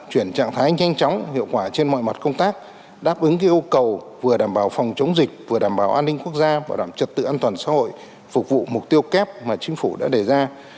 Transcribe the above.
chuyển trạng thái nhanh chóng hiệu quả trên mọi mặt công tác đáp ứng yêu cầu vừa đảm bảo phòng chống dịch vừa đảm bảo an ninh quốc gia bảo đảm trật tự an toàn xã hội phục vụ mục tiêu kép mà chính phủ đã đề ra